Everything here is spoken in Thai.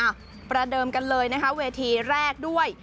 ประเดิมกันเลยนะคะเวทีแรกด้วย